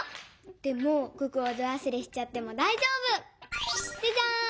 でも九九をどわすれしちゃってもだいじょうぶ！じゃじゃん！